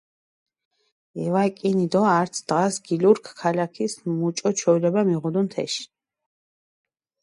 ევაკინი დო ართ დღას გილურქ ქალაქის მუჭო ჩვეულება მიღუდუნ თეში.